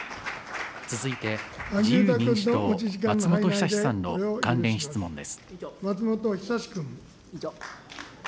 続いて自由民主党、松本尚さんの関連質問です。